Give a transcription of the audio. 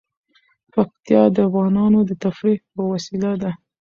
پکتیا د افغانانو د تفریح یوه وسیله ده.